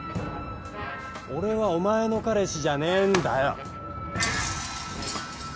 俺はお前の彼氏じゃねえんだよ！